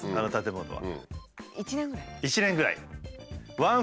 １年ぐらい。